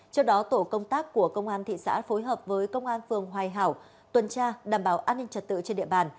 trước đó tổ công tác của công an thị xã phối hợp với công an phường hoài hảo tuần tra đảm bảo an ninh trật tự trên địa bàn